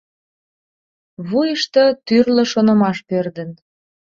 Вуйышто тӱрлӧ шонымаш пӧрдын.